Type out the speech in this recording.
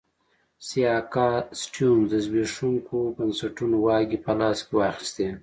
سیاکا سټیونز د زبېښونکو بنسټونو واګې په لاس کې واخیستې.